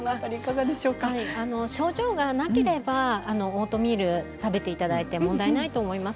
症状がなければオートミールを食べていただいても問題ないと思います。